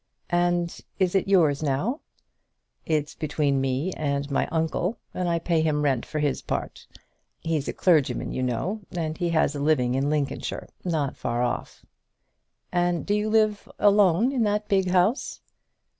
"And is it yours now?" "It's between me and my uncle, and I pay him rent for his part. He's a clergyman you know, and he has a living in Lincolnshire, not far off." "And do you live alone in that big house?"